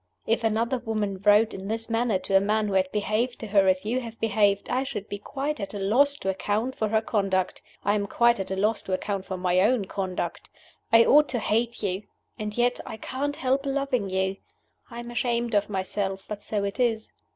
_ If another woman wrote in this manner to a man who had behaved to her as you have behaved, I should be quite at a loss to account for her conduct. I am quite at a loss to account for my own conduct. I ought to hate you, and yet I can't help loving you. I am ashamed of myself; but so it is.